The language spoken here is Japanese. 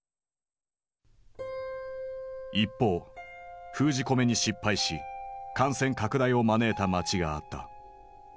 一方封じ込めに失敗し感染拡大を招いた街があった。